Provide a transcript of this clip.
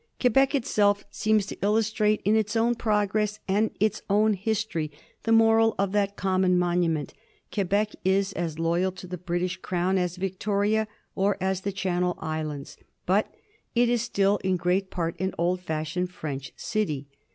Quebec itself seems to illustrate in 1769. AN OLD FRENCH PROVINCE. 291 its own progress and its own history the moral of that common monument. Quebec is as loyal to the British Crown as Victoria or as the Channel Islands. Bat it is still in great part an old fashioned French city.